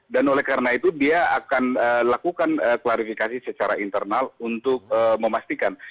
dan oleh karena itu dia akan lakukan klarifikasi secara internal untuk memastikan